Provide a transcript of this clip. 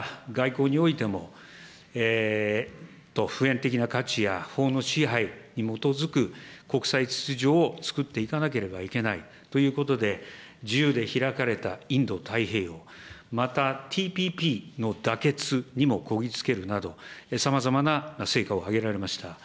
また、外交においても、普遍的な価値や法の支配に基づく国際秩序を作っていかなければいけないということで、自由で開かれたインド太平洋、また、ＴＰＰの妥結にもこぎ着けるなど、さまざまな成果を上げられました。